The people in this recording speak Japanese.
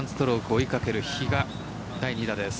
追いかける比嘉第２打です。